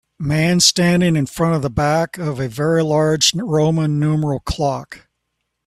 Man standing in front of the back of a very large roman numeral clock